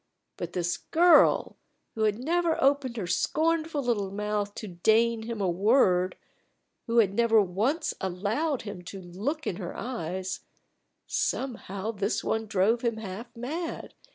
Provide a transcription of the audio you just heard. But this girl, who had never opened her scornful little mouth to deign him a word who had never once allowed him to look in her eyes somehow this one drove him half mad.